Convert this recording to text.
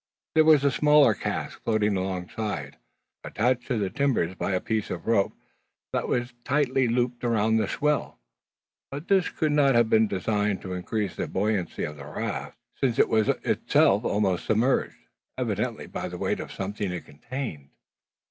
There was a smaller cask floating alongside, attached to the timbers by a piece of rope that was tightly looped around the swell. But this could not have been designed to increase the buoyancy of the raft: since it was itself almost submerged, evidently by the weight of something it contained.